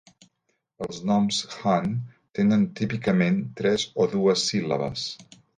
Els noms Han tenen típicament tres o dues síl·labes.